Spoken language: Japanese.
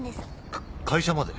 か会社まで！？